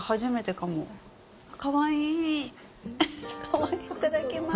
かわいいいただきます。